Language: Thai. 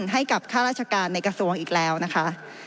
ให้กับข้าราชการในกระทรวงอีกแล้วนะคะ